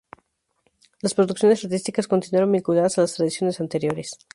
Las producciones artísticas continuaron vinculadas a las tradiciones anteriores.